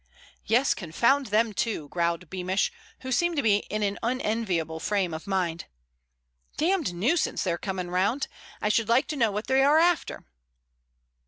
"Yes, confound them, too," growled Beamish, who seemed to be in an unenviable frame of mind. "Damned nuisance their coming round. I should like to know what they are after."